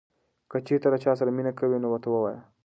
که چېرې ته له چا سره مینه کوې نو ورته ووایه.